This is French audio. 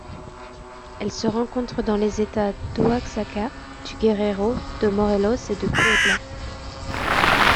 Elle se rencontre dans les États d'Oaxaca, du Guerrero, de Morelos et de Puebla.